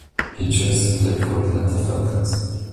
He chose to play for the Atlanta Falcons.